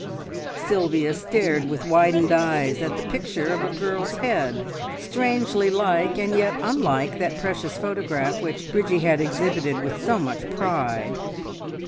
Sylvia stared with widened eyes at the picture of a girl's head, strangely like and yet unlike that precious photograph which Bridgie had exhibited with so much pride.